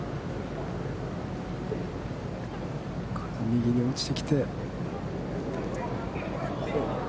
右に落ちてきて。